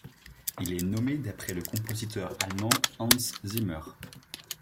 Il est nommé d'après le compositeur allemand Hans Zimmer.